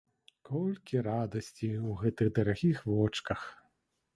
Колькі радасці ў гэтых дарагіх вочках!